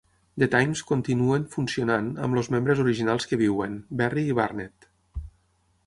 The Tymes continuen funcionant amb els membres originals que viuen, Berry i Burnett.